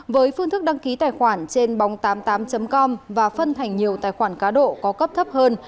với phương thức đăng ký tài khoản trên bóng tám mươi tám com và phân thành nhiều tài khoản cá độ có cấp thấp hơn